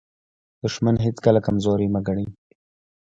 دښمن هیڅکله کمزوری مه ګڼئ.